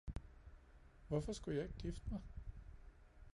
Hvorfor skulle jeg ikke gifte mig